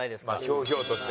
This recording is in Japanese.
ひょうひょうとしてね。